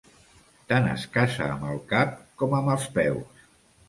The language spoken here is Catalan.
Tant es caça amb el cap com amb els peus.